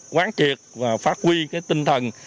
quán triệt và phát huy cái tinh thần